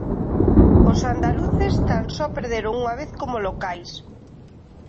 Os andaluces tan só perderon unha vez como locais.